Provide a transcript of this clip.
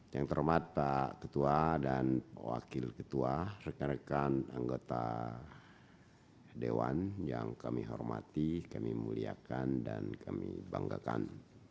yang terhormat pak ketua dan pak wakil ketua rekan rekan anggota dewan yang kami hormati kami muliakan dan kami banggakan